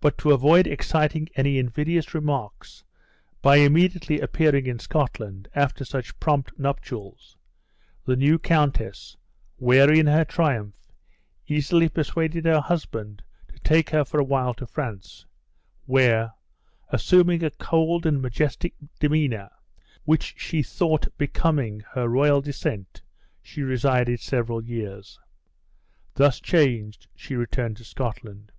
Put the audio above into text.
But to avoid exciting any invidious remarks, by immediately appearing in Scotland after such prompt nuptials, the new countess, wary in her triumph, easily persuaded her husband to take her for awhile to France; where, assuming a cold and majestic demeanor, which she thought becoming her royal descent, she resided several years. Thus changed, she returned to Scotland.